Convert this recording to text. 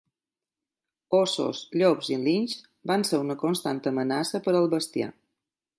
Óssos, llops i linxs van ser una constant amenaça per al bestiar.